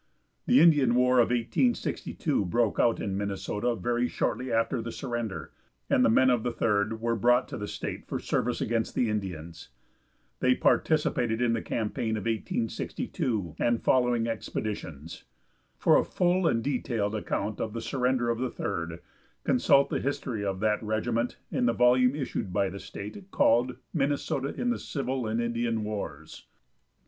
The Indian war of 1862 broke out in Minnesota very shortly after the surrender, and the men of the Third were brought to the state for service against the Indians. They participated in the campaign of 1862 and following expeditions. For a full and detailed account of the surrender of the Third, consult the history of that regiment in the volume issued by the state, called "Minnesota in the Civil and Indian Wars."